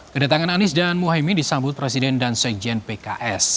kedatangan anies dan muhaymin disambut presiden dan sekjen pks